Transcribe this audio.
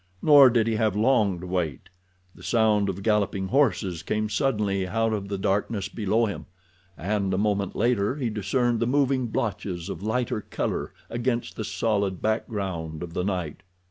Nor did he have long to wait. The sound of galloping horses came suddenly out of the darkness below him, and a moment later he discerned the moving blotches of lighter color against the solid background of the night.